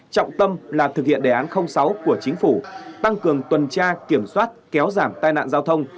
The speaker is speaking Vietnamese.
trọng tâm là thực hiện đề án sáu của chính phủ tăng cường tuần tra kiểm soát kéo giảm tai nạn giao thông